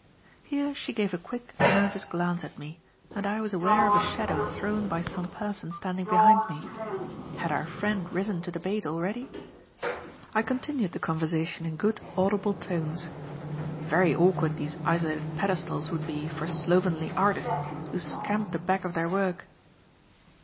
Here she gave a quick, nervous glance at me, and I was aware of a shadow thrown by some person standing behind me. Had our friend risen to the bait already? I continued the conversation in good audible tones. "Very awkward these isolated pedestals would be for slovenly artists who scamp the back of their work."